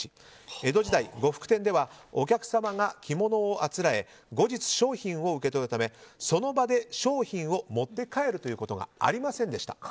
江戸時代、呉服店ではお客様が着物をあつらえ後日、商品を受け取るためその場で商品を持って帰ることがありませんでした。